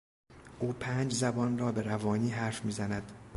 او پنج زبان را به روانی حرف میزند.